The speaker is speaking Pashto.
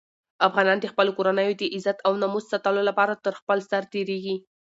افغانان د خپلو کورنیو د عزت او ناموس ساتلو لپاره تر خپل سر تېرېږي.